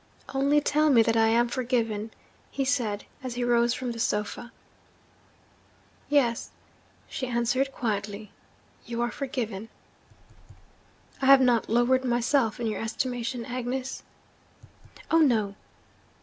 'Only tell me that I am forgiven,' he said, as he rose from the sofa. 'Yes,' she answered quietly, 'you are forgiven.' 'I have not lowered myself in your estimation, Agnes?' 'Oh, no!'